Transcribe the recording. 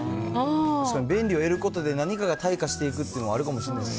確かに、便利を得ることで、何かが退化していくっていうのはそう。